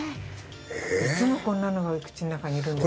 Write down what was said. いつもこんなのが口の中にいるんですか？